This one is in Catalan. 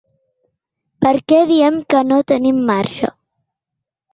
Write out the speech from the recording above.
Per què diem que no tenim marge?